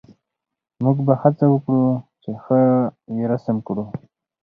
موږ به هڅه وکړو چې ښه یې رسم کړو